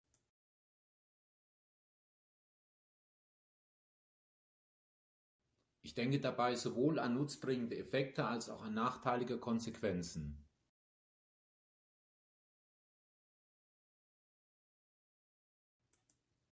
Ich denke dabei sowohl an nutzbringende Effekte als auch an nachteilige Konsequenzen.